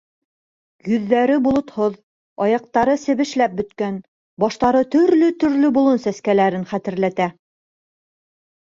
Йөҙҙәре болотһоҙ, аяҡтары себешләп бөткән, баштары төрлө-төрлө болон сәскәләрен хәтерләтә.